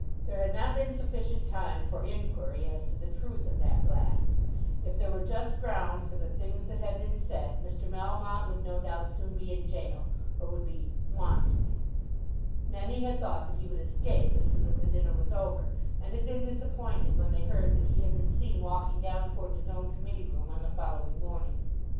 There had not been sufficient time for inquiry as to the truth of that blast. If there were just ground for the things that had been said, Mr. Melmotte would no doubt soon be in gaol, or would be wanted. Many had thought that he would escape as soon as the dinner was over, and had been disappointed when they heard that he had been seen walking down towards his own committee room on the following morning.